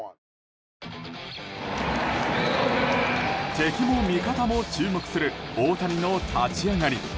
敵も味方も注目する大谷の立ち上がり。